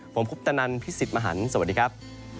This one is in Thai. ผมคุปตนันพี่สิทธิ์มหันฯสวัสดีครับ